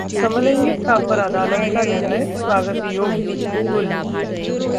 समलैंगिकता पर अदालत का निर्णय स्वागतयोग्य: गुल